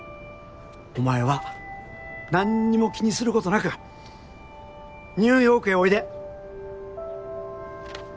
お前は何にも気にすることなくニューヨークへおいで。